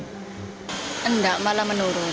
nggak malah menurun